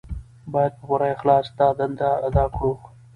باید په پوره اخلاص دا دنده ادا کړو.